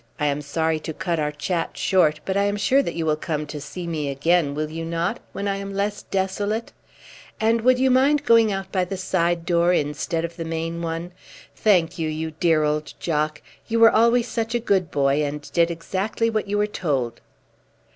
I am sorry to cut our chat short, but I am sure that you will come to see me again, will you not, when I am less desolate? And would you mind going out by the side door instead of the main one? Thank you, you dear old Jock; you were always such a good boy, and did exactly what you were told."